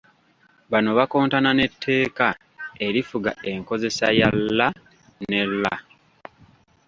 Bano bakontana n’etteeka erifuga enkozesa ya ‘l’ ne ‘r’